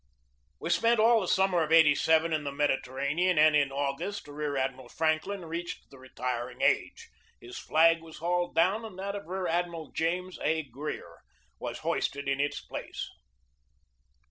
We spent all the summer of '87 in the Mediterranean, and in Au gust Rear Admiral Franklin reached the retiring age. His flag was hauled down and that of Rear Admiral James A. Greer was hoisted in its place.